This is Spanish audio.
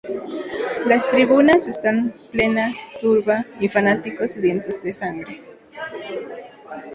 Las tribunas están plenas, turba y fanáticos sedientos de sangre.